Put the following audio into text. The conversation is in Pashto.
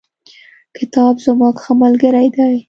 کتاب زموږ ښه ملگری دی.